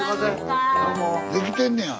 できてんねや。